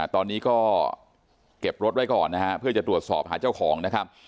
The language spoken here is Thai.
ตอนนี้ก็เก็บรถไว้ก่อนนะฮะเพื่อจะตรวจสอบหาเจ้าของนะครับ